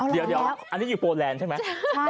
เดี๋ยวอันนี้อยู่โปแลนด์ใช่ไหม